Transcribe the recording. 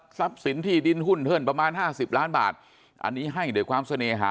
ทรัพย์สินที่ดินหุ้นเพิ่งประมาณห้าสิบล้านบาทอันนี้ให้โดยความเสน่หา